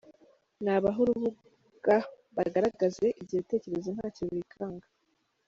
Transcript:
Nabahe urubuga bagaragaze ibyo bitekerezo ntacyo bikanga.